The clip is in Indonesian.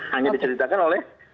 hanya diceritakan oleh